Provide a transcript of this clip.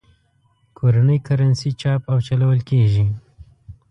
کورنۍ کرنسي چاپ او چلول کېږي.